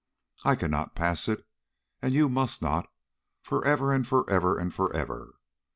I cannot pass it, and you must not, forever and forever and forever.